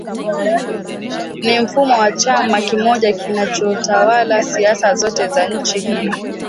Ni mfumo wa chama kimoja kinachotawala siasa zote za nchi hiyo